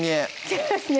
そうですね